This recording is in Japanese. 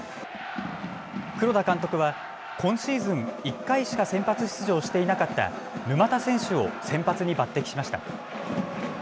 黒田監督は今シーズン１回しか先発出場していなかった沼田選手を先発に抜てきしました。